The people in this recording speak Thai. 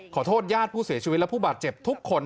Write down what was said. ขอโทษญาติผู้เสียชีวิตและผู้บาดเจ็บทุกคน